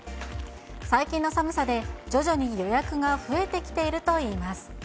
最近の寒さで、徐々に予約が増えてきているといいます。